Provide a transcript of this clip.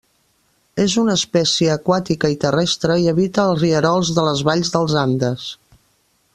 És una espècie aquàtica i terrestre i habita els rierols de les valls dels Andes.